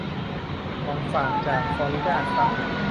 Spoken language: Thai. ของฝากจากฟลอริดาครับ